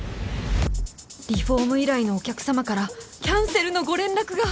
リフォーム依頼のお客様からキャンセルのご連絡が！